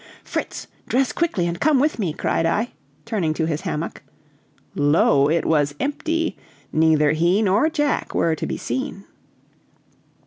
"Fritz! dress quickly and come with me!" cried I, turning to his hammock. Lo, it was empty! neither he nor Jack were to be seen.